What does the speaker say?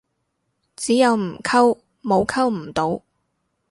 只有唔溝，冇溝唔到